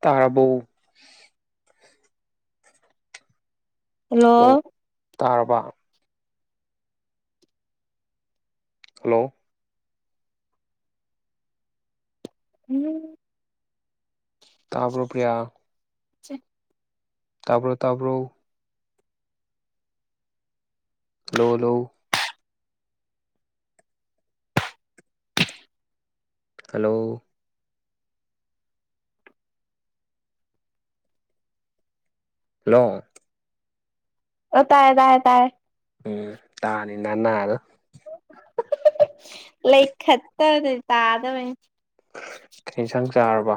ꯇꯥꯔꯕꯣ hello hello ꯇꯥꯔꯕ hello [unintelligible] ꯇꯥꯕ꯭ꯔꯣ ꯄ꯭ꯔꯤꯌꯥ [unintelligible] ꯇꯥꯕ꯭ꯔꯣ ꯇꯥꯕ꯭ꯔꯣ ꯍꯥꯜꯂꯣ ꯍꯥꯜꯂꯣ꯫ ꯍꯜꯂꯣ꯫ ꯍꯥꯜꯂꯣ꯫ ꯑꯣ ꯇꯥꯏꯌꯦ ꯇꯥꯏꯌꯦ ꯇꯥꯏꯌꯦ꯫ ꯎꯝ ꯇꯥꯅꯤ ꯅꯅꯥꯗꯨ꯫ ꯂꯩꯈꯠꯇꯔꯗꯤ ꯇꯥꯗꯕꯩꯅꯦ꯫ ꯀꯩ ꯏꯟꯁꯥꯡ ꯆꯥꯔꯕ꯫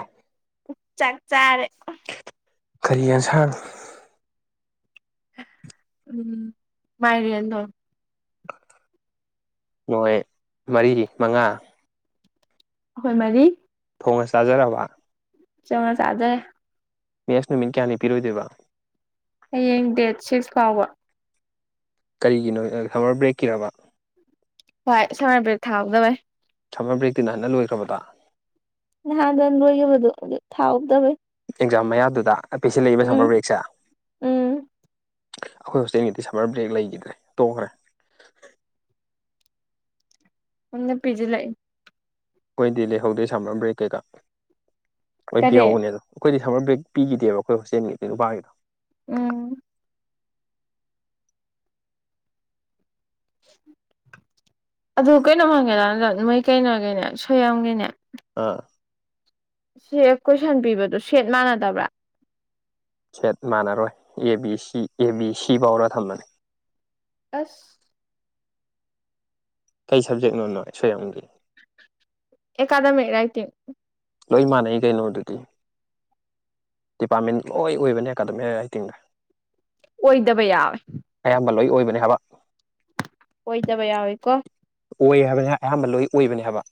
ꯆꯥꯛ ꯆꯥꯔꯦ꯫ ꯀꯔꯤ ꯌꯦꯟꯁꯥꯡ꯫ ꯎꯝ ꯃꯥꯏ ꯔꯤꯌꯦꯜꯗꯣ꯫ ꯅꯣꯏ ꯃꯔꯤꯗꯤ ꯃꯉꯥ꯫ ꯑꯈꯣꯏ ꯃꯔꯤ꯫ ꯊꯣꯡꯉꯥ ꯆꯥꯖꯔꯕ꯫ [unintelligible] ꯆꯥꯖꯔꯦ꯫ ꯃꯦꯁ ꯅꯨꯃꯤꯠ ꯀꯌꯥꯅꯤ ꯄꯤꯔꯣꯏꯗꯣꯏꯕ꯫ ꯍꯌꯦꯡ ꯗꯦꯠ ꯁꯤꯛꯁ ꯐꯥꯎꯕ꯫ ꯀꯔꯤꯒꯤꯅꯣ ꯁꯃꯔ ꯕ꯭ꯔꯦꯛꯀꯤꯔꯕ꯫ ꯍꯣꯏ ꯁꯝꯃꯔ ꯕꯔꯦꯛ ꯊꯥꯍꯧꯗꯕꯩ꯫ ꯁꯝꯃꯔ ꯕꫪꯦꯛꯇꯤ ꯅꯍꯟꯅ ꯂꯣꯏꯈ꯭ꯔꯕꯗꯣ꯫ ꯅꯍꯥꯟꯗ ꯂꯣꯏꯈꯤꯕꯗꯨ ꯑꯗꯨ ꯊꯥꯎꯍꯧꯗꯕꯩ꯫ Exam ꯃꯌꯥꯗꯨꯗ ꯄꯤꯁꯤꯜꯂꯛꯏꯕ summer ꯕ꯭ꯔꯦꯛꯁꯦ꯫ ꯎꯝ ꯑꯩꯈꯣꯏ ꯍꯣꯁꯇꯦꯜꯒꯤꯗꯤ ꯁꯝꯃꯔ ꯕ꯭ꯔꯦꯛ ꯂꯩꯈꯤꯗ꯭ꯔꯦ ꯇꯣꯡꯈ꯭ꯔꯦ꯫ ꯃꯣꯏꯅ ꯄꯤꯖꯤꯜ ꯂꯛꯏ꯫ ꯑꯩꯈꯣꯏꯗꯤ ꯂꯩꯍꯧꯗꯦ ꯁꯝꯕ ꯕ꯭ꯔꯦꯛ ꯀꯩꯀꯥ ꯂꯣꯏ ꯀꯔꯤ ꯄꯤꯍꯧꯕꯅꯤ ꯑꯗꯨ꯫ ꯑꯩꯈꯣꯏꯗꯤ ꯁꯃꯔ ꯕ꯭ꯔꯦꯛ ꯄꯤꯒꯤꯗꯦꯕ ꯑꯩꯈꯣꯏ ꯍꯣꯁꯇꯦꯜꯒꯤꯗꯤ ꯅꯨꯄꯥꯒꯤꯗꯣ꯫ ꯎꯝ꯫ ꯑꯗꯨ ꯀꯩꯅꯣꯝ ꯍꯪꯒꯦ ꯗꯥ ꯖꯣꯟꯁꯟ ꯅꯣꯏ ꯀꯩꯅꯣꯒꯤꯅꯦ ꯁꯣꯏꯌꯝꯒꯤꯅꯦ꯫ ꯑꯥ꯫ ꯁꯦꯠ ꯀꯣꯏꯁꯟ ꯄꯤꯕꯗꯨ ꯁꯦꯠ ꯃꯥꯟꯅꯗꯕ꯭ꯔꯥ꯫ ꯁꯦꯠ ꯃꯥꯟꯅꯔꯣꯏ A B C A B C ꯐꯥꯎꯔꯥ ꯊꯝꯕꯅꯤ꯫ ꯑꯁ꯫ ꯀꯩ ꯁꯕꯖꯦꯛꯅꯣ ꯅꯣꯏ ꯁꯣꯏꯌꯥꯝꯒꯤ꯫ ꯑꯦꯀꯗꯥꯃꯤꯛ ꯔꯥꯏꯇꯤꯡ꯫ ꯂꯣꯏ ꯃꯥꯟꯅꯩ ꯀꯩꯅꯣ ꯑꯗꯨꯗꯤ꯫ ꯗꯤꯄꯥꯔꯠꯃꯦꯟ ꯂꯣꯏ ꯑꯣꯏꯕꯅꯦ ꯑꯦꯀꯥꯗꯃꯤꯛ ꯔꯥꯏꯇꯤꯡꯒ꯫ ꯑꯣꯏꯗꯕ ꯌꯥꯎꯋꯦ꯫ ꯑꯌꯥꯝꯕ ꯂꯣꯏ ꯑꯣꯏꯕꯅꯦ ꯍꯥꯏꯕ꯫ ꯑꯣꯏꯗꯕ ꯌꯥꯎꯋꯤꯀꯣ꯫ ꯑꯣꯏ ꯍꯥꯏꯕꯅꯤ ꯑꯌꯥꯝꯕ ꯂꯣꯏ ꯑꯣꯏꯕꯅꯤ ꯍꯥꯏꯕ꯫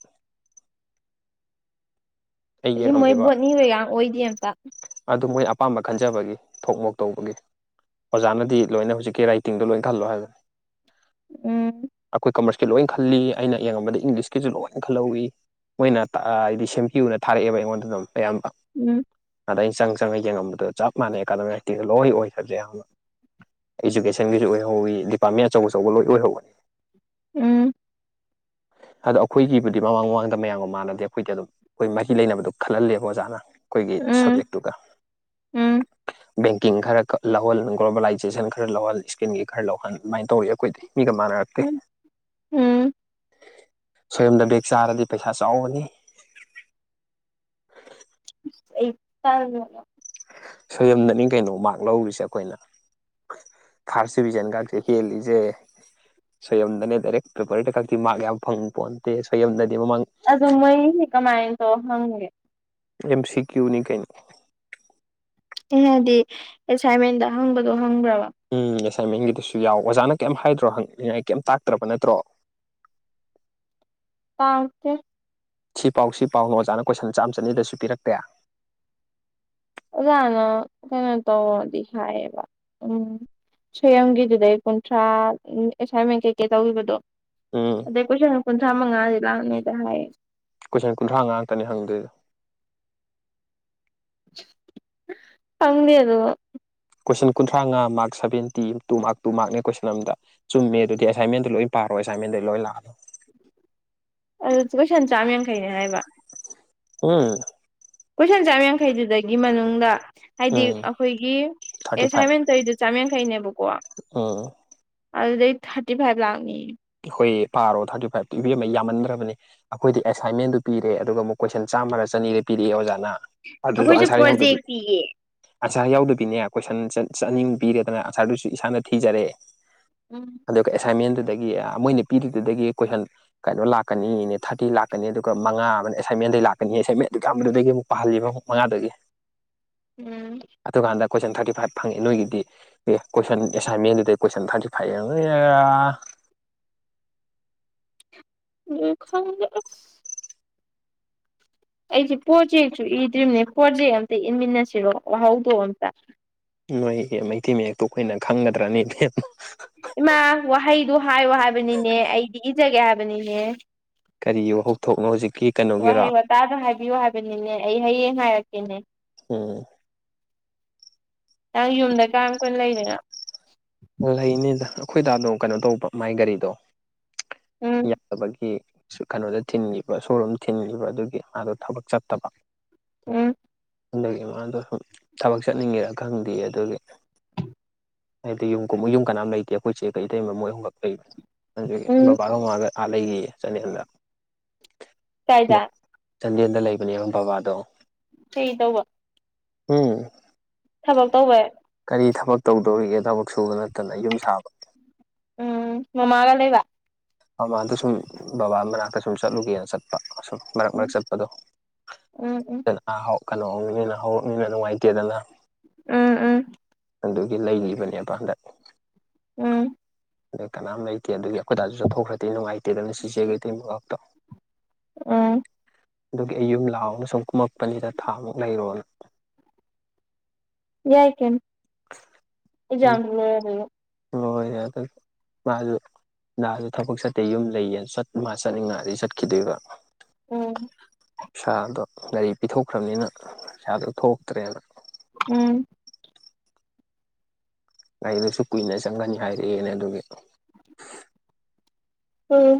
ꯑꯩ ꯑꯁꯤ ꯃꯣꯏ ꯌꯦꯡꯉꯝꯃꯤꯕ ꯕꯣꯠꯅꯤꯍꯣꯏ ꯌꯥꯝ ꯑꯣꯏꯗꯦ ꯑꯃꯇ꯫ ꯑꯗꯨ ꯃꯣꯏ ꯑꯄꯥꯝꯕ ꯈꯟꯖꯕꯒꯤ ꯊꯣꯛ ꯃꯣꯛ ꯇꯧꯕꯒꯤ꯫ ꯑꯣꯖꯥꯅꯗꯤ ꯂꯣꯏꯅ ꯍꯧꯖꯤꯛꯀꯤ ꯔꯥꯏꯇꯤꯡꯗꯣ ꯂꯣꯏ ꯈꯜꯂꯣ ꯍꯥꯏꯕꯅꯤ ꯎꯝ ꯑꯩꯈꯣꯏ ꯀꯃꯔ ꯁ ꯂꯣꯏ ꯈꯜꯂꯤ ꯑꯩꯅ ꯌꯦꯡꯉꯕꯗ ꯏꯪꯂꯤꯁꯀꯤꯁꯨ ꯂꯣꯏꯅ ꯈꯜꯍꯧꯋꯤ ꯃꯣꯏꯅ ꯍꯥꯏꯗꯤ ꯁꯦꯝ ꯄ꯭ꯌꯨꯅ ꯊꯥꯔꯛꯑꯦꯕ ꯑꯩꯉꯣꯟꯗ ꯑꯗꯨꯝ ꯑꯌꯥꯝꯕ ꯎꯝ ꯑꯗꯩ ꯆꯪ ꯆꯪꯉ ꯌꯦꯡꯉꯝꯕꯗꯣ ꯆꯞ ꯃꯥꯟꯅꯩ ꯑꯦꯀꯥꯗꯃꯤ ꯃꯥꯏꯇꯦ ꯂꯣꯏ ꯑꯣꯏꯈ꯭ꯔꯕꯖꯦ ꯏꯖꯨꯀꯦꯁꯟꯒꯤꯁꯨ ꯑꯣꯏꯍꯧꯋꯤ ꯗꯤꯄꯥꯔꯠꯃꯦꯟ ꯑꯆꯧ ꯑꯆꯧꯕ ꯂꯣꯏ ꯑꯣꯏꯍꯧꯋꯤ ꯎꯝ [inaudible] ꯑꯗꯣ ꯑꯩꯈꯣꯏꯒꯤꯕꯨꯗꯤ ꯃꯃꯥꯡ ꯃꯃꯥꯡꯗ ꯃꯌꯥꯝꯒ ꯃꯥꯟꯅꯗꯦ ꯑꯩꯈꯣꯏꯗꯤ ꯑꯗꯨꯝ ꯑꯩꯈꯣꯏ ꯃꯍꯤ ꯂꯩꯅꯕꯗ ꯈꯜꯍꯜꯂꯦꯕ ꯑꯣꯖꯥꯅ ꯑꯩꯈꯣꯏꯒꯤ ꯎꯝ ꯁꯕꯖꯦꯛꯇꯨꯒ ꯎꯝ ꯕꯦꯡꯀꯤꯡ ꯈꯔ ꯈ ꯂꯧꯍꯜ ꯒ꯭ꯂꯣꯕꯦꯂꯥꯏꯖꯦꯁꯟ ꯈꯔ ꯂꯧꯍꯜ ꯏꯁꯀꯤꯟꯒꯤ ꯈꯔ ꯂꯧꯍꯜ ꯑꯗꯨꯃꯥꯏꯅ ꯇꯧꯋꯦ ꯑꯩꯈꯣꯏꯗꯤ ꯃꯤꯒ ꯃꯥꯟꯅꯔꯛꯇꯦ ꯎꯝ ꯎꯝ ꯁꯦꯝꯗ ꯕꯦꯛ ꯆꯥꯔꯗꯤ ꯄꯩꯁꯥ ꯆꯥꯎꯕꯅꯤ ꯑꯩ ꯇꯥꯔꯒꯔꯣ ꯁꯣꯏꯌꯝꯗꯅꯤ ꯀꯩꯅꯣ ꯃꯥꯛ ꯂꯧꯔꯤꯁꯦ ꯑꯩꯈꯣꯏꯅ ꯐꯥꯔꯁ ꯗꯤꯚꯤꯖꯟ ꯒꯥꯛꯁꯦ ꯍꯦꯜꯂꯤꯖꯦ ꯁꯣꯏꯌꯝꯗꯅꯦ ꯗꯥꯏꯔꯦꯛ ꯄꯦꯄꯔꯗ ꯀꯛꯇꯤ ꯃꯥꯛ ꯌꯥꯝ ꯐꯪꯄꯣꯟꯇꯦ ꯁꯣꯏꯌꯝꯗꯗꯤ ꯃꯃꯥꯡ ꯑꯗꯨ ꯃꯩꯁꯦ ꯀꯃꯥꯏꯟ ꯇꯧꯔ ꯍꯪꯒꯦ ꯑꯦꯝ ꯁꯤ ꯀ꯭ꯌꯨꯅꯤ ꯀꯩꯅꯣ ꯑꯦ ꯍꯥꯏꯗꯤ ꯑꯦꯁꯥꯏꯟꯃꯦꯟꯗ ꯍꯪꯕꯗꯣ ꯍꯪꯒ꯭ꯔꯕ ꯎꯝ ꯑꯦꯁꯥꯏꯟꯃꯦꯟꯒꯤꯗꯨꯁꯨ ꯌꯥꯎ ꯑꯣꯖꯥꯅ ꯀꯩꯝ ꯍꯥꯏꯗ꯭ꯔꯣ ꯍꯪꯅꯤꯡꯉꯥꯏ ꯀꯩꯝ ꯇꯥꯛꯇ꯭ꯔꯕ ꯅꯠꯇ꯭ꯔꯣ ꯇꯥꯛꯇꯦ ꯁꯤ ꯄꯥꯎ ꯁꯤ ꯄꯥꯎ ꯑꯣꯖꯥꯅ ꯀꯣꯏꯁꯟ ꯆꯥꯝ ꯆꯅꯤꯗꯁꯨ ꯄꯤꯔꯛꯇꯦ ꯑꯣꯖꯥꯅ ꯀꯩꯅꯣ ꯇꯧꯋꯣꯗꯤ ꯍꯥꯏꯌꯦꯕ ꯎꯝ ꯁꯣꯏꯌꯝꯒꯤꯗꯨꯗꯩ ꯀꯨꯟꯊ꯭ꯔꯥ ꯑꯦꯁꯥꯏꯟꯃꯦꯟ ꯀꯩꯀꯩ ꯇꯧꯈꯤꯕꯗꯣ ꯎꯝ ꯑꯗꯩ ꯀꯣꯏꯁꯟ ꯀꯨꯟꯊ꯭ꯔꯥ ꯃꯉꯥꯗꯤ ꯂꯥꯛꯅꯤꯗ ꯍꯥꯏꯌꯦ ꯀꯣꯏꯁꯟ ꯀꯨꯟꯊ꯭ꯔꯥꯉꯥ ꯇꯅꯤ ꯍꯪꯗꯣꯏꯗꯣ ꯐꯪꯗꯤ ꯑꯗꯨ ꯀꯣꯏꯁꯟ ꯀꯨꯟꯊ꯭ꯔꯥꯉꯥ ꯃꯥꯛ ꯁꯚꯦꯟꯇꯤ ꯇꯨ ꯃꯥꯛ ꯇꯨ ꯃꯥꯛꯅꯦ ꯀꯣꯏꯁꯟ ꯑꯝꯗ ꯆꯨꯝꯃꯦ ꯑꯗꯨꯗꯤ ꯑꯦꯁꯥꯏꯟꯃꯦꯟꯠꯗꯣ ꯂꯣꯏ ꯄꯥꯔꯣ ꯑꯦꯁꯥꯏꯟꯃꯦꯟꯗꯩ ꯂꯣꯏ ꯂꯥꯛꯑꯗꯧꯅꯤ ꯑꯗꯨ ꯀꯣꯏꯁꯟ ꯆꯥꯝ ꯌꯥꯡꯈꯩꯅꯦ ꯍꯥꯏꯕ ꯎꯝ ꯀꯣꯏꯁꯟ ꯆꯥꯝ ꯌꯥꯡꯈꯩꯗꯨꯗꯒꯤ ꯃꯅꯨꯡꯗ ꯍꯥꯏꯗꯤ ꯎꯝ ꯑꯩꯈꯣꯏꯒꯤ ꯊꯥꯔꯇꯤ ꯐꯥꯏꯚ ꯑꯦꯁꯥꯏꯟꯃꯦꯟꯇꯩꯗꯨ ꯆꯥꯝꯌꯥꯡꯈꯩꯅꯦꯕꯀꯣ ꯎꯝ ꯑꯗꯨꯗꯩ ꯊꯥꯔꯇꯤ ꯐꯥꯏꯚ ꯂꯥꯛꯅꯤꯌꯦ ꯍꯣꯏ ꯄꯥꯔꯣ ꯊꯥꯔꯇꯤ ꯐꯥꯏꯚꯇꯨ ꯏꯕꯦꯝꯃ ꯌꯥꯝꯃꯟꯗ꯭ꯔꯕꯅꯤ ꯑꯩꯈꯣꯏꯗꯤ ꯑꯦꯁꯥꯏꯟꯃꯦꯟꯗꯨ ꯄꯤꯔꯦ ꯑꯗꯨꯒ ꯑꯃꯨꯛ ꯀꯣꯏꯁꯟ ꯆꯥꯝꯃꯔꯥ ꯆꯅꯤꯔ ꯄꯤꯔꯛꯑꯦ ꯑꯣꯖꯥꯅ ꯑꯗꯨꯖꯨ ꯑꯩꯈꯣꯏꯁꯨ ꯑꯟꯁꯥꯔ ꯄ꯭ꯔꯣꯖꯦꯛ ꯌꯥꯎꯗꯕꯤ ꯄꯤꯌꯦ ꯑꯟꯁꯥꯔ ꯌꯥꯎꯗꯕꯤꯅꯦ ꯀꯣꯏꯁꯟ ꯆ ꯆꯅꯤꯃꯨꯛ ꯄꯤꯔꯦꯗꯅ ꯑꯟꯁꯔꯗꯨꯁꯨ ꯏꯁꯥꯅ ꯊꯤꯖꯔꯦ ꯎꯝ ꯗꯨꯒ ꯑꯦꯁꯥꯏꯟꯃꯦꯟꯗꯨꯗꯒꯤ ꯃꯣꯏꯅ ꯄꯤꯔꯤꯗꯨꯗꯒꯤ ꯀꯣꯏꯁꯟ ꯀꯩꯅꯣ ꯂꯥꯛꯀꯅꯤꯅꯦ ꯊꯥꯔꯇꯤ ꯂꯥꯛꯀꯅꯤ ꯑꯗꯨꯒ ꯃꯉꯥ ꯑꯃꯅ ꯑꯦꯁꯥꯏꯟꯃꯦꯟꯗꯩ ꯂꯥꯛꯀꯅꯤ ꯑꯦꯁꯥꯏꯟꯃꯦꯟ ꯑꯗꯨꯛ ꯌꯥꯝꯕꯗꯨꯗꯒꯤ ꯑꯃꯨꯛ ꯄꯥꯍꯜꯂꯤꯕ ꯑꯃꯨꯛ ꯃꯉꯥꯗꯨꯒꯤ ꯎꯝ ꯑꯗꯨꯀꯥꯟꯗ ꯀꯣꯏꯁꯟ ꯊꯥꯔꯇꯤ ꯐꯥꯏꯚ ꯐꯪꯉꯦ ꯅꯣꯏꯒꯤꯗꯤ ꯑꯦ ꯀꯣꯏꯁꯟ ꯑꯦꯁꯥꯏꯟꯃꯦꯟꯗꯨꯗꯩ ꯀꯣꯏꯁꯟ ꯊꯥꯔꯇꯤ ꯐꯥꯏꯚ ꯌꯦꯡ [unintelligible] ꯌꯦ ꯈꯪꯗꯦ ꯑꯁ ꯑꯩꯁꯦ ꯄꯣꯔꯖꯦꯛꯁꯨ ꯏꯗ꯭ꯔꯤꯕꯅꯦ ꯄꯣꯔꯖꯦꯛ ꯑꯝꯇ ꯏꯟꯃꯤꯟꯅꯁꯤꯔꯣ ꯋꯥꯍꯧꯗꯣꯛ ꯑꯝꯇ ꯅꯣꯏ ꯑꯦ ꯃꯩꯇꯩ ꯃꯌꯦꯛꯇꯣ ꯑꯩꯈꯣꯏꯅ ꯈꯪꯒꯗ꯭ꯔꯅꯦ ꯏꯕꯦꯝ ꯏꯃꯥ ꯋꯥꯍꯩꯗꯨ ꯍꯥꯏꯌꯣ ꯍꯥꯏꯕꯅꯤꯅꯦ ꯑꯩꯗꯤ ꯏꯖꯒꯦ ꯍꯥꯏꯕꯅꯤꯅꯦ ꯀꯔꯤꯒꯤ ꯋꯥꯍꯧꯊꯣꯛꯅꯣ ꯍꯧꯖꯤꯛꯀꯤ ꯀꯩꯅꯣꯒꯤꯔꯣ ꯆꯥꯗ ꯍꯥꯏꯕꯤꯌꯨ ꯍꯥꯏꯕꯅꯤꯅꯦ ꯑꯩ ꯍꯌꯦꯡ ꯍꯥꯏꯔꯛꯀꯦꯅꯦ ꯎꯝ ꯅꯪ ꯌꯨꯝꯗ ꯀꯌꯥꯝ ꯀꯨꯏꯅ ꯂꯩꯗꯣꯏꯅꯣ ꯂꯩꯅꯤꯗ ꯑꯩꯈꯣꯏ ꯗꯥꯗꯣ ꯀꯩꯅꯣ ꯇꯧꯕ ꯃꯥꯏ ꯒꯥꯔꯤꯗꯣ ꯎꯝ ꯌꯥꯗꯕꯒꯤ ꯀꯩꯅꯣꯗ ꯊꯤꯟꯈꯤꯕ ꯁꯣꯔꯨꯝ ꯊꯤꯟꯈꯤꯕ ꯑꯗꯨꯒꯤ ꯃꯥꯗꯣ ꯊꯕꯛ ꯆꯠꯇꯕ ꯎꯝ ꯌꯨꯝꯒꯤ ꯃꯥꯥꯗꯣ ꯁꯨꯝ ꯊꯕꯛ ꯆꯠꯅꯤꯡꯉꯦꯔ ꯈꯪꯗꯦ ꯑꯗꯨꯒꯤ ꯍꯥꯏꯗꯤ ꯌꯨꯝ ꯀꯨꯝ ꯌꯨꯝ ꯀꯅꯥꯝ ꯂꯩꯇꯦ ꯑꯩꯈꯣꯏ ꯆꯦꯒ‌ ꯏꯇꯩꯃꯒ ꯃꯣꯏ ꯑꯨꯝꯈꯛ ꯂꯩ ꯑꯗꯨꯒꯤ ꯎꯝ ꯕꯕꯥꯒ ꯃꯃꯥꯒ ꯑꯥ ꯂꯩꯈꯤꯌꯦ ꯆꯥꯟꯗꯦꯜꯗ ꯀꯥꯏꯗ ꯆꯥꯟꯗꯦꯜꯗ ꯂꯩꯕꯅꯦꯕ ꯕꯕꯥꯗꯣ ꯀꯩ ꯇꯧꯕ ꯍꯨꯝ ꯊꯕꯛ ꯇꯧꯕꯩ ꯀꯔꯤ ꯊꯕꯛ ꯇꯧꯗꯧꯔꯤꯒꯦ ꯊꯕꯛ ꯁꯨꯕ ꯅꯠꯇꯅ ꯌꯨꯝ ꯁꯥꯕ ꯎꯝ ꯃꯃꯥꯒ ꯂꯩꯕ ꯃꯃꯥꯗꯣ ꯁꯨꯝ ꯕꯕꯥ ꯃꯅꯥꯛꯇ ꯁꯨꯝ ꯆꯠꯂꯨꯒꯦꯅ ꯆꯠꯄ ꯑꯁꯨꯝ ꯃꯔꯛ ꯃꯔꯛ ꯎꯝ ꯆꯠꯄꯗꯣ ꯎꯝ ꯎꯝ ꯑ ꯀꯩꯅꯣꯅꯤꯅ ꯍꯥꯎꯔꯛꯅꯤꯅ ꯅꯨꯡꯉꯥꯏꯇꯦꯗꯅ ꯎꯝ ꯎꯝ ꯑꯗꯨꯒꯤ ꯂꯩꯔꯤꯕꯅꯦꯕ ꯍꯟꯗꯛ ꯎꯝ ꯑꯗꯨꯒꯤ ꯀꯅꯥꯝ ꯂꯩꯇꯦ ꯑꯗꯨꯒꯤ ꯑꯩꯈꯣꯏ ꯗꯥꯁꯨ ꯆꯠꯊꯣꯛꯈ꯭ꯔꯗꯤ ꯅꯨꯡꯉꯥꯏꯇꯦꯗꯅ ꯑꯗꯨꯅ ꯆꯦꯆꯦꯒ ꯏꯇꯩꯃ ꯈꯛꯇ ꯎꯝ ꯑꯗꯨꯒꯤ ꯑꯩ ꯌꯨꯝ ꯂꯥꯛꯑꯝꯃ ꯁꯨꯝ ꯀꯨꯝꯃꯛꯄꯅꯤꯗ ꯊꯥꯃꯨꯛ ꯂꯩꯔꯣꯅ ꯌꯥꯏ ꯀꯩꯅꯣ ꯑꯦꯛꯖꯥꯝꯖꯨ ꯂꯣꯏꯔꯗꯨꯕꯣ ꯂꯣꯏꯔꯦ ꯑꯗꯨ ꯃꯥꯖꯨ ꯅꯍꯥꯟꯖꯨ ꯊꯕꯛ ꯆꯠꯇꯦ ꯌꯨꯝ ꯂꯩꯌꯦꯅ ꯃꯥ ꯆꯠꯅꯤꯡꯉꯛꯑꯗꯤ ꯆꯠꯈꯤꯗꯣꯏꯕ ꯎꯝ ꯄꯩꯁꯥꯗꯣ ꯒꯥꯔꯤ ꯄꯤꯊꯣꯛꯈ꯭ꯔꯕꯅꯤꯅ ꯄꯩꯁꯥꯗꯨ ꯊꯣꯛꯇ꯭ꯔꯦꯅ ꯎꯝ ꯒꯥꯔꯤꯗꯨꯁꯨ ꯀꯨꯏꯅ ꯆꯪꯒꯅꯤ ꯍꯥꯏꯔꯛꯑꯦꯅ ꯑꯗꯨꯒꯤ [inaudible] ꯎꯝ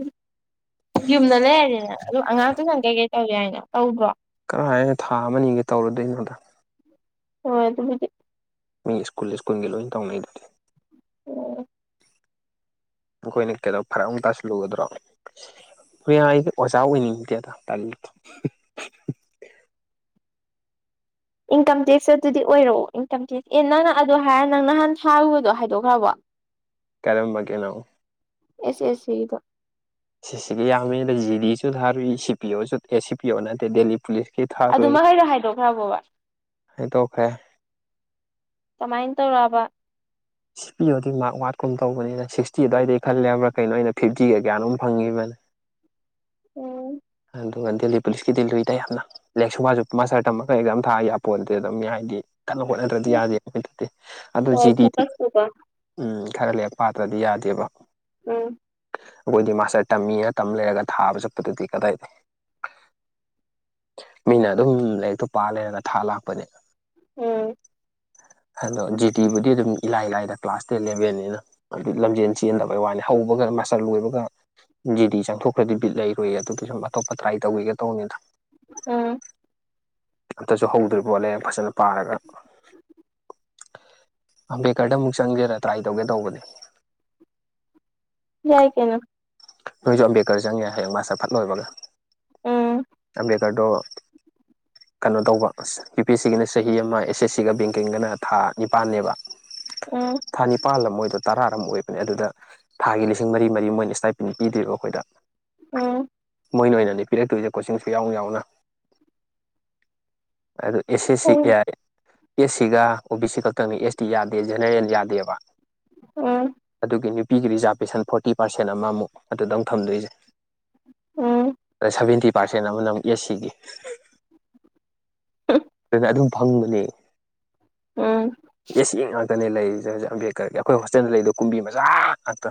ꯌꯨꯝꯗ ꯂꯩꯔꯅꯤꯅ ꯑꯗꯨ ꯑꯉꯥꯡ ꯇꯨꯏꯁꯟ ꯀꯩꯀꯩ ꯇꯧ ꯌꯥꯏꯅ ꯇꯧꯗ꯭ꯔꯣ ꯀꯥꯏꯗꯒꯤ ꯊꯥ ꯑꯃꯅꯤꯒ ꯇꯧꯔꯨꯗꯣꯏꯅꯣꯗ ꯍꯣꯏ ꯑꯗꯨꯕꯨꯗꯤ ꯃꯤ ꯏꯁ꯭ꯀꯨꯜ ꯏꯁ꯭ꯀꯨꯜꯒꯤ ꯂꯣꯏꯅ ꯇꯧꯅꯩꯗꯨꯗꯤ ꯑꯣ ꯑꯩꯈꯣꯏꯅ ꯀꯩꯅꯣ ꯐꯔꯛ ꯑꯃꯨꯛ ꯇꯥꯁꯤꯜꯂꯨꯗꯔꯣ ꯍꯣꯏ ꯌꯥꯏ ꯑꯩꯗꯤ ꯑꯣꯖꯥ ꯑꯣꯏꯅꯤꯡꯗꯦꯗ ꯇꯜꯂꯤꯗ ꯏꯟꯀꯝ ꯇꯦꯛꯁꯇ ꯑꯗꯨꯗꯤ ꯑꯣꯏꯔꯛꯑꯣ ꯏꯟꯀꯝ ꯇꯦꯛꯁ ꯑꯦ ꯅꯪꯅ ꯑꯗꯨ ꯍꯥꯏꯔ ꯅꯪ ꯅꯍꯥꯟ ꯊꯥꯔꯨꯕꯗꯣ ꯍꯥꯏꯗꯣꯛꯈ꯭ꯔꯕꯣ ꯀꯔꯝꯕꯒꯤꯅꯣ ꯑꯦꯁ ꯑꯦꯁ ꯁꯤꯒꯤꯗꯣ ꯁꯤꯁꯤꯒꯤ ꯌꯥꯝꯃꯤꯅ ꯖꯤ ꯗꯤꯁꯨ ꯊꯥꯔꯨꯏ ꯁꯤ ꯄꯤ ꯑꯣꯁꯨ ꯑꯦ ꯁꯤ ꯄꯤ ꯑꯣ ꯅꯠꯇꯦ ꯗꯦꯜꯂꯤ ꯄꯨꯂꯤꯁ ꯁꯤ ꯑꯗꯨ ꯊꯥꯔꯨꯏ ꯃꯈꯩꯗꯣ ꯍꯥꯏꯗꯣꯛꯈ꯭ꯔꯕꯣꯕ ꯍꯥꯏꯗꯣꯛꯈ꯭ꯔꯦ ꯀꯃꯥꯏꯅ ꯇꯧꯔꯛꯕ ꯁꯤ ꯄꯤ ꯑꯣꯗꯤ ꯃꯥꯔꯛ ꯋꯥꯠꯀꯨꯝ ꯇꯧꯕꯅꯤꯅ ꯁꯤꯛꯁꯇꯤ ꯑꯗꯨꯋꯥꯏꯗ ꯈꯜꯂꯦꯕ꯭ꯔ ꯍꯥꯏꯕ ꯀꯩꯅꯣ ꯑꯩꯅ ꯐꯤꯐꯇꯤꯒ ꯀꯌꯥꯅꯣꯝ ꯐꯪꯉꯤꯕꯅꯤ ꯎꯝ ꯑꯗꯨꯒ ꯗꯦꯜꯂꯤ ꯄꯨꯂꯤꯁꯀꯤꯗꯤ ꯂꯨꯏ ꯗ ꯌꯥꯝꯅ ꯂꯥꯏꯔꯤꯛ ꯁꯨꯁꯨ ꯃꯥꯁꯇꯔ ꯇꯝꯃꯒ ꯑꯦꯛꯖꯥꯝ ꯊꯥꯑꯒ ꯄꯣꯠ ꯅꯠꯇꯦ ꯃꯤ ꯑꯗ ꯍꯥꯏꯗꯤ ꯀꯟꯅ ꯍꯣꯠꯅꯗ꯭ꯔꯗꯤ ꯌꯥꯗꯦ ꯗꯗꯤ ꯑꯗꯨ ꯍꯣꯏ ꯖꯤꯗꯤ ꯐꯣꯀꯁꯇꯨꯀꯣ ꯎꯝ ꯈꯔ ꯂꯥꯏꯔꯤꯛ ꯄꯥꯇ꯭ꯔꯗꯤ ꯌꯥꯗꯦꯕ ꯎꯝ ꯑꯩꯈꯣꯏꯗꯤ ꯃꯥꯁꯇꯔ ꯇꯝꯃꯤꯅ ꯇꯝ ꯂꯩꯔꯒ ꯊꯥꯕ ꯆꯠꯄꯗꯨꯗꯤ ꯀꯗꯥꯏ ꯃꯤꯅ ꯑꯗꯨꯝ ꯂꯥꯏꯔꯤꯛꯇꯣ ꯄꯥ ꯂꯩꯔꯒ ꯊꯥ ꯂꯥꯛꯄꯅꯦ ꯎꯝ ꯍꯜꯂꯣ ꯖꯤꯦꯇꯤꯕꯨꯗꯤ ꯑꯗꯨꯝ ꯏꯂꯥꯏ ꯂꯥꯏꯗ ꯀ꯭ꯂꯥꯁ ꯇꯦꯟ ꯂꯦꯚꯦꯟꯅꯤꯅ ꯑꯗꯨ ꯂꯝꯖꯦꯟ ꯆꯦꯟꯗꯕꯩ ꯋꯥꯅꯤ ꯍꯧꯕꯒ ꯃꯥꯁꯇꯔ ꯂꯣꯏꯕꯒ ꯖꯤꯗꯤ ꯆꯪꯊꯣꯛꯈ꯭ꯔꯗꯤ ꯕꯤꯠ ꯂꯩꯔꯣꯏꯌꯦ ꯑꯗꯨꯗ ꯁꯨꯝ ꯑꯇꯣꯞꯄ ꯇ꯭ꯔꯥꯏ ꯇꯧꯒꯤꯒꯦ ꯇꯧꯕꯅꯤꯗ ꯎꯝ ꯑꯝꯇꯁꯨ ꯍꯧꯗ꯭ꯔꯤꯕ ꯂꯥꯏꯔꯤꯛ ꯐꯖꯅ ꯄꯥꯔꯒ ꯑꯝꯕꯦꯗꯀꯔꯗ ꯑꯃꯨꯛ ꯆꯪꯒꯦꯔꯥ ꯇ꯭ꯔꯥꯏ ꯇꯧꯒꯦ ꯇꯧꯕꯅꯦ ꯌꯥꯏ ꯀꯩꯅꯣ ꯅꯣꯏꯁꯨ ꯑꯝꯕꯦꯗꯀꯔ ꯆꯪꯉꯦ ꯍꯌꯦꯡ ꯃꯥꯁꯇꯔ ꯐꯠ ꯂꯣꯏꯕꯒ ꯎꯝ ꯑꯝꯕꯦꯗꯀꯔꯗꯣ ꯀꯩꯅꯣ ꯇꯧꯕ ꯌꯨ ꯄꯤ ꯑꯦꯁ ꯁꯤꯒꯤꯅ ꯆꯍꯤ ꯑꯃ ꯑꯦꯁ ꯑꯦꯁ ꯁꯤꯒ ꯕꯦꯡꯀꯤꯡꯒꯅ ꯊꯥ ꯅꯤꯄꯥꯟꯅꯦꯕ ꯎ [inaudible] ꯎꯝ ꯊꯥ ꯅꯤꯄꯥꯜ ꯑꯃ ꯑꯣꯏꯗꯣ ꯇꯔꯥꯔ ꯑꯃ ꯑꯣꯏꯕꯅꯦ ꯑꯗꯨꯗ ꯊꯥꯒꯤ ꯂꯤꯁꯤꯡ ꯃꯔꯤ ꯃꯔꯤ ꯃꯣꯏꯅ ꯏꯁꯇꯥꯏ ꯗꯨꯝ ꯄꯤꯗꯦ ꯀꯣ ꯑꯩꯈꯣꯏꯗ ꯑꯣ [inaudible] ꯃꯣꯏꯅ ꯑꯣꯏꯅꯅꯤ ꯄꯤꯔꯛꯇꯣꯏꯁꯦ ꯀꯣꯆꯤꯡꯁꯨ ꯌꯥꯎꯅ ꯌꯥꯎꯅ ꯑꯗꯨ ꯑꯦꯁ ꯁꯤ ꯎꯝ ꯀꯌꯥꯒꯤ ꯑꯦꯁ ꯁꯤꯒ ꯑꯣ ꯕꯤ ꯁꯤ ꯈꯛꯇꯪꯅꯦ ꯑꯦꯁ ꯗꯤ ꯌꯥꯗꯦ ꯖꯦꯅꯔꯦꯜ ꯌꯥꯗꯦꯕ ꯎꯝ ꯑꯗꯨꯒꯤ ꯅꯨꯄꯤꯒꯤ ꯔꯤꯖꯥꯔꯕꯦꯁꯟ ꯐꯣꯔꯇꯤ ꯄꯥꯔꯁꯦꯟ ꯑꯃꯃꯨꯛ ꯑꯗꯨꯗ ꯑꯃꯨ ꯊꯝꯗꯣꯏꯁꯦ ꯎꯝ ꯁꯚꯦꯟꯇꯤ ꯄꯥꯔꯁꯦꯟ ꯑꯃꯅ ꯑꯦꯁ ꯁꯤꯒꯤ ꯍꯝ ꯑꯗꯨꯅ ꯑꯗꯨꯝ ꯐꯪꯕꯅꯦ ꯎꯝ ꯑꯦꯁ ꯁꯤ ꯅꯦ ꯂꯩꯔꯤꯖꯦ ꯑꯗꯨꯅꯦ ꯑꯝꯕꯦꯗꯀꯔꯒꯤ ꯑꯩꯈꯣꯏ ꯍꯣꯁꯇꯦꯜꯗ ꯂꯩꯗꯣ ꯀꯨꯝꯕꯤ ꯃꯆꯥꯥ ꯉꯥꯛꯇ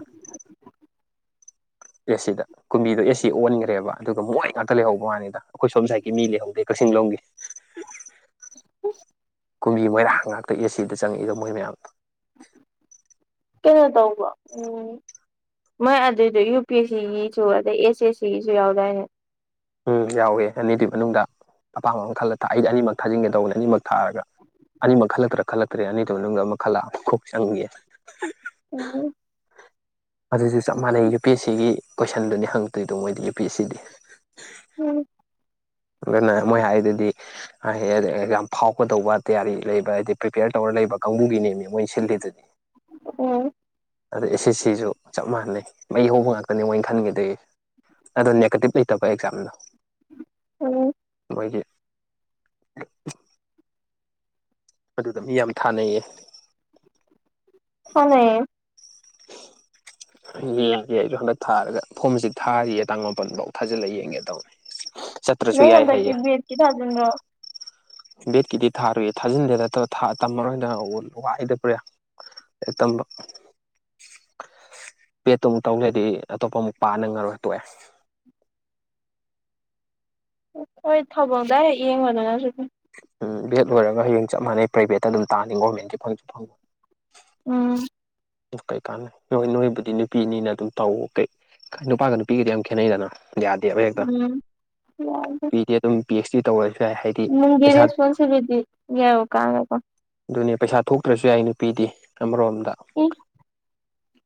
ꯑꯦꯁ ꯁꯤꯗ ꯀꯨꯝꯕꯤꯗꯣ ꯑꯦꯁ ꯁꯤ ꯑꯣꯟꯈ꯭ꯔꯦꯕ ꯑꯗꯨꯒ ꯃꯣꯏ ꯉꯥꯛꯇ ꯂꯩꯍꯧꯕ ꯋꯥꯅꯤꯗ ꯑꯩꯈꯣꯏ ꯁꯣꯝ ꯁꯥꯏꯠꯀꯤ ꯃꯤ ꯂꯩꯍꯧꯗꯦ ꯀꯛꯆꯤꯡ ꯂꯣꯝꯒꯤ ꯎ [inaudible] ꯀꯨꯝꯕꯤ ꯃꯣꯏꯔꯥꯡ ꯉꯥꯛꯇ ꯑꯦꯁ ꯁꯤꯗ ꯆꯪꯉꯛꯏꯗꯣ ꯃꯣꯏ ꯃꯌꯥꯝ ꯀꯩꯅꯣ ꯇꯧꯕ ꯎꯝ ꯃꯣꯏ ꯑꯗꯨꯏꯗꯣ ꯌꯨ ꯄꯤ ꯁꯤꯒꯤꯁꯨ ꯑꯗꯩ ꯑꯦꯁ ꯑꯦꯁ ꯁꯤꯒꯤꯁꯨ ꯌꯥꯎꯗꯥꯏꯅꯦ ꯎꯝ ꯌꯥꯎꯋꯦ ꯑꯅꯤꯗꯨꯒꯤ ꯃꯅꯨꯡꯗ ꯑꯄꯥꯝꯕ ꯑꯃ ꯈꯜꯂ ꯊ ꯑꯩꯗꯤ ꯑꯅꯤꯃꯛ ꯊꯥꯖꯤꯟꯒꯦ ꯇꯧꯕꯅꯦ ꯑꯅꯤꯃꯛ ꯊꯥꯔꯒ ꯑꯅꯤꯃꯛ ꯈꯜꯂꯛꯇ꯭ꯔꯥ ꯈꯜꯂꯛꯇ꯭ꯔꯦ ꯑꯅꯤꯗꯨꯒꯤ ꯃꯅꯨꯡꯗ ꯑꯃ ꯈꯜꯂꯛ ꯑꯒ ꯀꯣꯛ ꯆꯪꯒꯦ ꯎꯝ ꯎꯝ ꯑꯗꯨꯁꯨ ꯆꯞ ꯃꯥꯟꯅꯩ ꯌꯨ ꯄꯤ ꯑꯦꯁ ꯁꯤꯒꯤ ꯀꯣꯏꯁꯟꯗꯨꯅꯤ ꯍꯪꯉꯛꯇꯣꯏꯗꯣ ꯃꯣꯏꯗꯤ ꯌꯨ ꯄꯤ ꯑꯦꯁ ꯁꯤꯗꯤ ꯎꯝ [inaudible] ꯑꯗꯨꯅ ꯃꯣꯏ ꯍꯥꯏꯗꯨꯗꯤ ꯌꯥꯝ ꯐꯥꯎꯒꯗꯧꯕ ꯇꯌꯥꯔꯤ ꯂꯩꯕ ꯍꯥꯏꯗꯤ ꯄ꯭ꯔꯤꯄꯦꯌꯔ ꯇꯧꯔ ꯂꯩꯕ ꯀꯥꯡꯕꯨꯒꯤꯅꯦꯃꯤ ꯃꯣꯏ ꯁꯤꯜꯂꯤꯗꯨꯗꯤ [inaudible] ꯑꯝ ꯑꯗꯩ ꯑꯦꯁ ꯑꯦꯁ ꯁꯤꯁꯨ ꯆꯞ ꯃꯥꯟꯅꯩ ꯃꯩ ꯍꯧꯕ ꯉꯥꯛꯇꯅꯤ ꯃꯣꯏ ꯈꯟꯒꯤꯗꯣꯏ ꯑꯗꯣ ꯅꯦꯒꯇꯤꯞ ꯂꯩꯇꯕ ꯑꯦꯛꯖꯥꯝꯗꯣ ꯑꯣ ꯃꯣꯏꯒꯤ ꯑꯗꯨꯗ ꯃꯤ ꯌꯥꯝ ꯊꯥꯅꯩꯌꯦ ꯍꯣꯂꯦ [inaudible] ꯌꯦꯡꯒꯦ ꯑꯩꯁꯨ ꯍꯟꯗꯛ ꯊꯥꯔꯒ ꯐꯣꯝꯁꯤ ꯊꯥꯔꯤꯌꯦ ꯇꯥꯡ ꯃꯥꯄꯜ ꯕꯥꯎ ꯊꯥꯖꯤꯜꯂꯒ ꯌꯦꯡꯒꯦ ꯇꯧꯅꯤ [unintelligible] ꯅꯪ ꯍꯟꯗꯛꯀꯤ ꯕꯦꯠꯀꯤ ꯊꯥꯖꯤꯟꯕ꯭ꯔꯣ ꯕꯦꯠꯀꯤꯗꯤ ꯊꯥꯔꯣꯏꯌꯦ ꯊꯥꯖꯤꯟꯕ ꯅꯠꯇ ꯇꯝꯃꯔꯣꯏꯗꯅ ꯋꯥꯏꯗ ꯕ꯭ꯔꯦ ꯑꯦ ꯇꯝꯕ ꯕꯦꯠꯇ ꯑꯃꯨꯛ ꯇꯧ ꯂꯩꯗꯤ ꯑꯇꯣꯞꯄ ꯑꯃꯨꯛ ꯄꯥ ꯅꯪꯉꯔꯣꯏ ꯇꯣꯛꯑꯦ ꯍꯣꯏ ꯊꯧꯕꯝ ꯗꯥꯏꯔꯦꯛ ꯌꯦꯡꯕꯗꯅꯁꯨ ꯗꯨꯝ ꯎꯝ ꯕꯦꯠ ꯂꯣꯏꯔꯒ ꯍꯌꯦꯡ ꯆꯞ ꯃꯥꯟꯅꯩ ꯄ꯭ꯔꯚꯦꯠꯇ ꯑꯗꯨꯝ ꯇꯥꯅꯤ ꯒꯣꯔꯔꯃꯦꯟꯒꯤ ꯐꯪꯁꯨ ꯐꯪꯉꯣꯏ ꯎꯝ ꯀꯩ ꯀꯥꯟꯅ ꯩ ꯍꯣꯏ ꯅꯣꯏꯕꯨꯗꯤ ꯅꯨꯄꯤ ꯑꯅꯤꯅ ꯑꯗꯨꯝ ꯇꯧ ꯀꯩ ꯅꯨꯄꯥꯒ ꯅꯨꯄꯤꯒꯗꯤ ꯌꯥꯝ ꯈꯦꯠꯅꯩꯗꯅ ꯌꯥꯗꯦ ꯍꯦꯛꯇ ꯎꯝ ꯄꯤꯗꯦ ꯄꯤ꯬ꯑꯩꯆ꯬ꯗꯤ ꯇꯧꯔꯁꯨ ꯌꯥꯏ ꯍꯥꯏꯗꯤ ꯅꯨꯡꯒꯤ ꯄꯩꯁꯥ ꯔꯦꯁꯄꯣꯟꯁꯤꯕꯤꯂꯤꯇꯤ ꯌꯥꯎ ꯀꯥꯟꯗꯀꯣ ꯑꯗꯨꯅꯦ ꯄꯩꯁꯥ ꯊꯣꯛꯇ꯭ꯔꯁꯨ ꯌꯥꯏ ꯅꯨꯄꯤꯗꯤ ꯑꯃꯔꯣꯝꯗ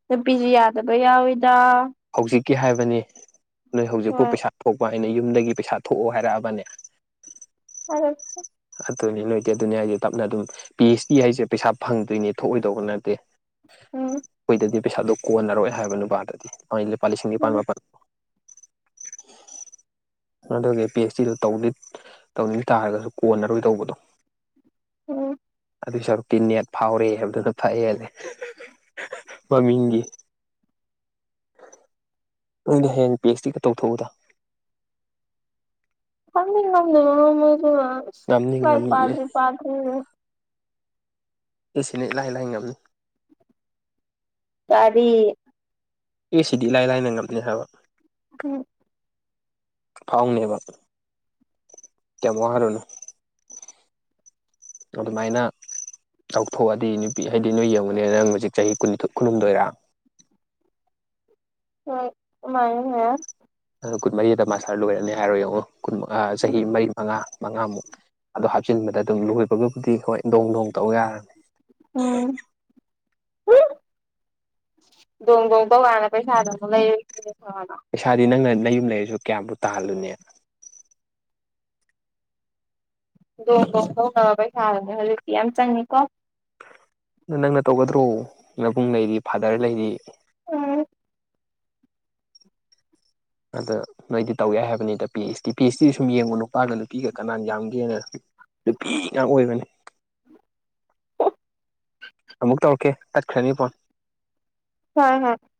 ꯅꯨꯄꯤꯁꯨ ꯌꯥꯗꯕ ꯌꯥꯎꯋꯤꯗ ꯍꯧꯖꯤꯛꯀꯤ ꯍꯥꯏꯕꯅꯤ ꯅꯣꯏ ꯍꯧꯖꯤꯛꯄꯨ ꯍꯣꯏ ꯄꯩꯁꯥ ꯊꯣꯛꯄ ꯑꯩꯅ ꯌꯨꯝꯗꯒꯤ ꯄꯩꯁꯥ ꯊꯣꯛꯑꯣ ꯍꯥꯏꯔꯛꯑꯕꯅꯤ ꯍꯥꯏꯔꯛ ꯑꯗꯨꯅꯦ ꯅꯣꯏꯗꯤ ꯑꯗꯨꯅꯦ ꯍꯥꯏꯁꯦ ꯇꯞꯅ ꯑꯗꯨꯝ ꯄꯤ꯬ꯑꯩꯆ꯬ꯗꯤ ꯍꯥꯏꯁꯦ ꯄꯩꯁꯥ ꯐꯪꯗꯣꯏꯅꯦ ꯊꯣꯛꯑꯣꯏꯗꯧꯕ ꯅꯠꯇꯦ ꯎꯝ ꯑꯈꯣꯏꯗꯗꯤ ꯄꯩꯁꯥꯗꯨ ꯀꯣꯟꯅꯔꯣꯏ ꯍꯥꯏꯕ ꯅꯨꯄꯥꯗꯗꯤ ꯍꯣꯏ ꯂꯨꯄꯥ ꯂꯤꯁꯤꯡ ꯅꯤꯄꯥꯜ ꯎꯝ ꯃꯥꯄꯜ ꯑꯗꯨꯒꯒꯤ ꯄꯤ꯬ꯑꯩꯆ꯬ꯗꯤꯗꯨ ꯇꯧꯅꯤꯡ ꯇꯧꯅꯤꯡ ꯇꯥꯔꯒꯁꯨ ꯀꯣꯟꯅꯔꯣꯏ ꯗꯧꯕꯗꯣ ꯎꯝ ꯑꯗꯨꯏ ꯁꯔꯨꯛꯇꯤ ꯅꯦꯠ ꯐꯥꯎꯔꯦ ꯍꯥꯏꯕꯗꯨꯅ ꯐꯥ ꯍꯦꯜꯂꯦ ꯃꯃꯤꯡꯒꯤ ꯅꯣꯏꯗꯤ ꯍꯌꯦꯡ ꯄꯤ꯬ꯑꯩꯆ꯬ꯗꯤꯒ ꯇꯧꯊꯣꯛꯎꯗ ꯈꯪꯗꯤ ꯉꯝꯅꯤ [unintelligible] ꯉꯝꯅꯤ ꯂꯥꯏꯔꯤꯛ ꯉꯝꯅꯤ ꯑꯦ ꯄꯥꯗ꯭ꯔꯤ ꯄꯥꯗ꯭ꯔꯤ ꯑꯦꯁꯤꯂꯦ ꯏꯂꯥꯏ ꯂꯥꯏ ꯉꯝꯅꯤ ꯀꯔꯤ ꯑꯦꯁꯤꯗꯤ ꯏꯂꯥꯏ ꯂꯥꯏꯅ ꯉꯝꯅꯤ ꯍꯥꯏꯕ ꯎꯝ ꯐꯥꯎꯅꯦꯕ ꯀꯤꯝ ꯋꯥꯔꯨꯅꯨ ꯑꯗꯨꯃꯥꯏꯅ ꯇꯧꯊꯣꯛꯑꯗꯤ ꯅꯨꯄꯤ ꯍꯥꯏꯗꯤ ꯅꯣꯏ ꯌꯦꯡꯉꯨꯅꯦ ꯅꯪ ꯍꯧꯖꯤꯛ ꯆꯍꯤ ꯀꯨꯟꯅꯤꯊꯣꯏ ꯀꯨꯟꯍꯨꯝꯗꯣꯏꯔꯥ ꯍꯣꯏ ꯑꯃꯥꯏꯅ [unintelligible] ꯑꯗꯨ ꯀꯨꯟꯃꯔꯤꯗ ꯃꯥꯁꯇꯔ ꯂꯣꯏꯔꯅꯤ ꯍꯥꯏꯔꯣ ꯌꯦꯡꯉꯣ ꯀꯨꯟ ꯆꯍꯤ ꯃꯔꯤ ꯃꯉꯥ ꯃꯉꯥꯃꯨꯛ ꯑꯗꯨ ꯍꯥꯞꯆꯤꯟꯕꯗ ꯑꯗꯨꯝ ꯂꯣꯏꯕꯒꯕꯨꯗꯤ ꯍꯣꯏ ꯗꯣꯡ ꯗꯣꯡ ꯇꯧ ꯌꯥꯔꯅꯤ ꯎꯝ ꯗꯣꯡ ꯗꯣꯡ ꯇꯧꯒꯥꯟꯗ ꯄꯩꯁꯥꯗꯨꯃꯨ ꯂꯩꯔꯣꯏꯗ꯭ꯔꯤꯅꯤ ꯈꯪꯉꯕ ꯄꯩꯁꯥꯗꯤ ꯅꯪꯅ ꯅꯌꯨꯝ ꯂꯩꯔꯁꯨ ꯀꯌꯥꯝꯕꯨ ꯇꯥꯜꯂꯨꯅꯤ ꯗꯣꯡ ꯗꯣꯡ ꯇꯧꯅꯕ ꯄꯩꯁꯥꯗꯨꯅꯦ ꯍꯧꯖꯤꯛꯇꯤ ꯌꯥꯝ ꯆꯪꯉꯤꯀꯣ ꯗꯨ ꯅꯪꯅ ꯇꯧꯒꯗ꯭ꯔꯣ ꯅꯕꯨꯡ ꯂꯩꯔꯤ ꯐꯥꯗꯔ ꯂꯩꯔꯤ ꯎꯝ ꯑꯗ ꯅꯣꯏꯗꯤ ꯇꯧꯌꯥꯏ ꯍꯥꯏꯕꯅꯤꯗ P H T P H T ꯁꯨꯝ ꯌꯦꯡꯉꯨ ꯅꯨꯄꯥꯒ ꯅꯨꯄꯤꯒ ꯀꯅꯥꯅ ꯌꯥꯝꯒꯦꯅ ꯅꯨꯄꯤ ꯉꯥꯛ ꯑꯣꯏꯕꯅꯤ ꯑꯃꯨꯛ ꯇꯧꯔꯛꯀꯦ ꯇꯠꯈ꯭ꯔꯅꯤ ꯐꯣꯟ [unintelligible]